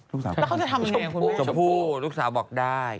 แล้วเขาจะทำยังไงคุณว่าชมพูชมพูลูกสาวบอกได้